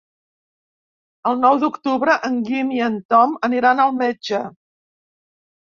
El nou d'octubre en Guim i en Tom aniran al metge.